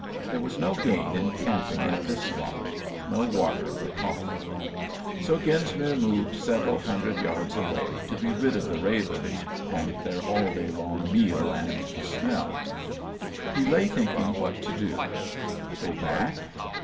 There was no gain in camping at this spot, no water for coffee; so Genesmere moved several hundred yards away to be rid of the ravens and their all day long meal and the smell. He lay thinking what to do. Go back?